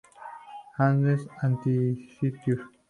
Anser antarcticus.